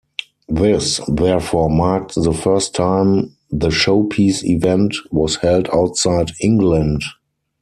This therefore marked the first time the showpiece event was held outside England.